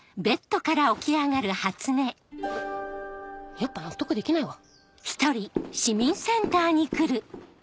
やっぱ納得できないわ。